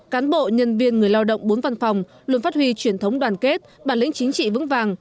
cán bộ nhân viên người lao động bốn văn phòng luôn phát huy truyền thống đoàn kết bản lĩnh chính trị vững vàng